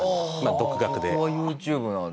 独学で。